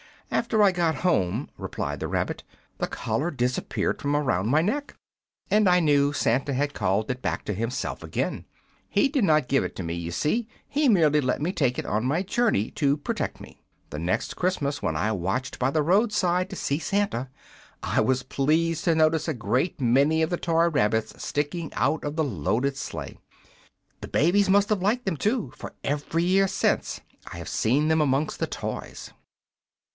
"After I got home," replied the rabbit, "the collar disappeared from around my neck, and I knew Santa had called it back to himself again. He did not give it to me, you see; he merely let me take it on my journey to protect me. The next Christmas, when I watched by the road side to see Santa, I was pleased to notice a great many of the toy rabbits sticking out of the loaded sleigh. The babies must have liked them, too, for every year since I have seen them amongst the toys.